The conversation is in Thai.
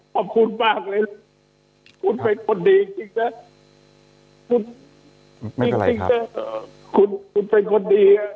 ขอบคุณมากเลยคุณเป็นคนดีจริงจ๊ะไม่เป็นไรครับคุณคุณเป็นคนดี